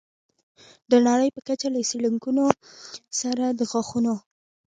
د نړۍ په کچه له څېړونکو سره د غاښونو